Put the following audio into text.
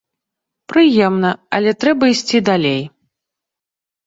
Прыемна, але трэба ісці далей.